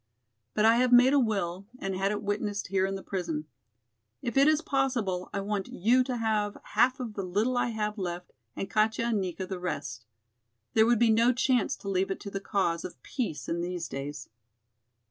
But I have made a will and had it witnessed here in the prison. If it is possible I want you to have half of the little I have left and Katja and Nika the rest. There would be no chance to leave it to the cause of peace in these days."